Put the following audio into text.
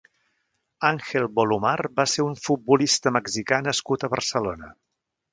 Ángel Bolumar va ser un futbolista mexicà nascut a Barcelona.